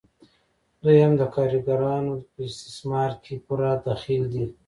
دوی هم د کارګرانو په استثمار کې پوره دخیل دي